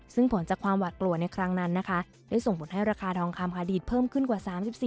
ซึ่งผลจากความหวาดกลัวในครั้งนั้นนะคะได้ส่งผลให้ราคาทองคำอดีตเพิ่มขึ้นกว่า๓๔